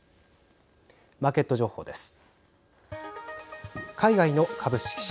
マーケット情報です。